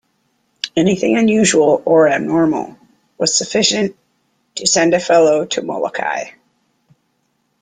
Anything unusual or abnormal was sufficient to send a fellow to Molokai.